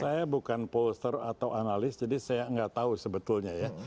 saya bukan polster atau analis jadi saya nggak tahu sebetulnya ya